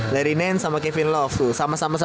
larry nance sama kevin love tuh sama sama seratus ribu dolar